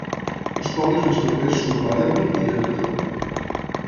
Els pobles més propers són Butterwick i Leverton.